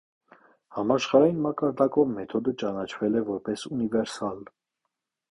Համաշխարհային մակարդակով մեթոդը ճանաչվել է որպես ունիվերսալ։